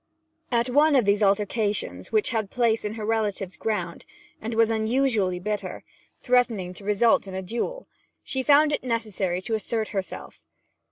At one of these altercations, which had place in her relative's grounds, and was unusually bitter, threatening to result in a duel, she found it necessary to assert herself.